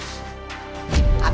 harus dibuka bangsa tiga belas